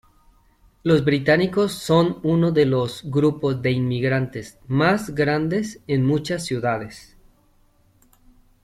Los británicos son uno de los grupos de inmigrantes más grandes en muchas ciudades.